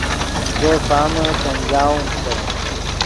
زو پامے پنجاؤم تے